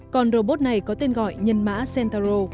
còn robot này có tên gọi nhân mã centauro